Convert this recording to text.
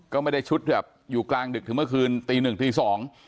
ก็ไม่ได้ชุดแบบอยู่กลางดึกถึงเมื่อคืนตีหนึ่งตีสอง